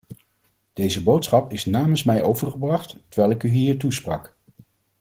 Deze boodschap is namens mij overgebracht, terwijl ik u hier toesprak.